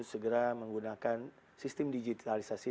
segera menggunakan sistem digitalisasi